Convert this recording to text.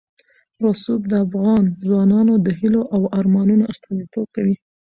رسوب د افغان ځوانانو د هیلو او ارمانونو استازیتوب کوي.